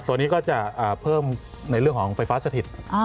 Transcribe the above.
ตัวนี้ก็จะเพิ่มในเรื่องของไฟฟ้าสถิต